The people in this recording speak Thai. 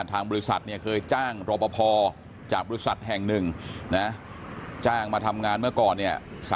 ทางบริษัทเนี่ยเคยจ้างรอปภจากบริษัทแห่งหนึ่งนะจ้างมาทำงานเมื่อก่อนเนี่ย